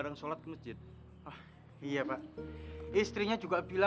hasil kerja payah dia